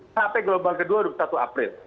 sampai gelombang kedua dua puluh satu april